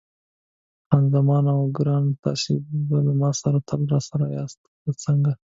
خان زمان: اوه ګرانه، تاسي به له ما سره تل راسره یاست، که څنګه؟